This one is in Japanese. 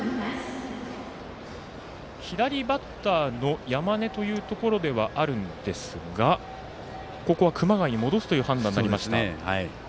左バッターの山根というところではあるんですがここは熊谷に戻すという判断になりました。